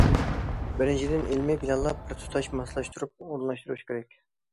بىرىنچىدىن، ئىلمىي پىلانلاپ، بىر تۇتاش ماسلاشتۇرۇپ ئورۇنلاشتۇرۇش كېرەك.